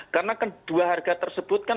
karena kedua harga tersebut kan